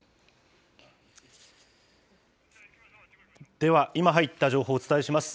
では、今入った情報をお伝えします。